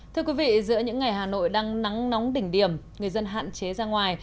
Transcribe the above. thưa quý vị giữa những ngày hà nội đang nắng nóng đỉnh điểm người dân hạn chế ra ngoài